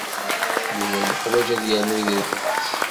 Yuba yeḥwaj ad yernu deg lexlaṣ.